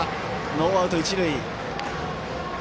ノーアウト、一塁。